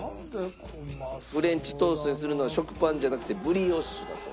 フレンチトーストにするのは食パンじゃなくてブリオッシュだそう。